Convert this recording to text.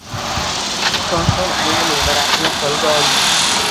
Toshxon aya nevarasini qo‘lga oldi.